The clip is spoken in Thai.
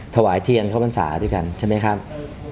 ถ่วายเทียงเข้าบรรซาด้วยกันใช่มั้ยครับ